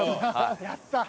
やった！